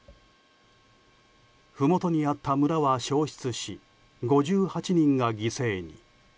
ふもとにあった村は焼失し５８人が犠牲に。